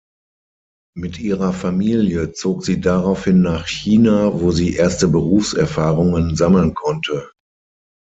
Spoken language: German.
Mit ihrer Familie zog sie daraufhin nach China, wo sie erste Berufserfahrungen sammeln konnte.